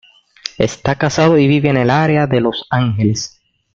Está casado y vive en el área de Los Ángeles.